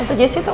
untuk jessy tuh